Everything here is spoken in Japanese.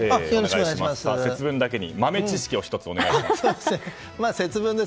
節分だけに豆知識を１つお願いします。